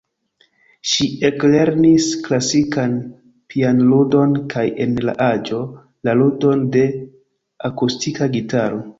Ŝi eklernis klasikan pianludon kaj en la aĝo la ludon de akustika gitaro.